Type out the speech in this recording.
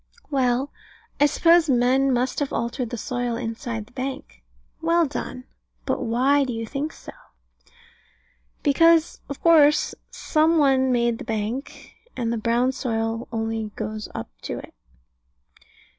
Well, I suppose men must have altered the soil inside the bank. Well done. But why do you think so? Because, of course, some one made the bank; and the brown soil only goes up to it.